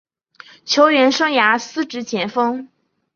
球员生涯司职前锋。